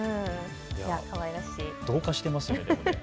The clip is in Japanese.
同化していますよね。